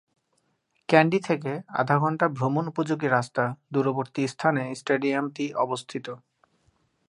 Candy থেকে আধা-ঘণ্টা ভ্রমণ উপযোগী রাস্তা দূরবর্তী স্থানে স্টেডিয়ামটি অবস্থিত।